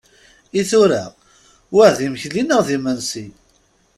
I tura, wa d imekli neɣ d imensi?